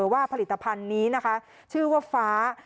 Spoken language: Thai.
ว่าผลิตภัณฑ์นี้นะคะชื่อว่าฟ้า